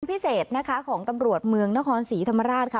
พิเศษนะคะของตำรวจเมืองนครศรีธรรมราชค่ะ